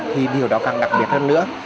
thì điều đó càng đặc biệt hơn nữa